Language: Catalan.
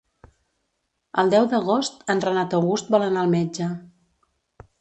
El deu d'agost en Renat August vol anar al metge.